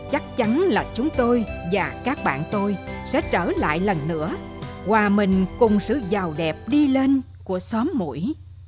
chắc chắn là chúng tôi và các bạn tôi sẽ trở lại lần nữa hòa mình cùng sự giàu đẹp đi lên của xóm mũi